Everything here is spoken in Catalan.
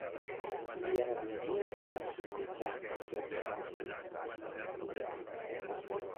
Li agradaria personalitzar el seu dispositiu?